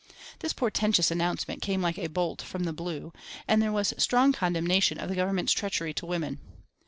This portentous announcement came like a bolt from the blue, and there was strong condemnation of the Government's treachery to women.